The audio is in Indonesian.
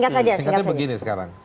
singkatnya begini sekarang